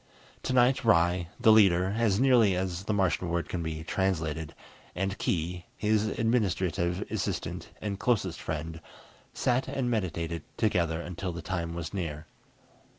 Tonight Ry, the leader (as nearly as the Martian word can be translated), and Khee, his administrative assistant and closest friend, sat and meditated together until the time was near.